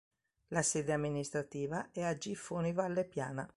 La sede amministrativa è a Giffoni Valle Piana.